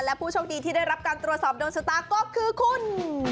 และผู้โชคดีที่ได้รับการตรวจสอบโดนชะตาก็คือคุณ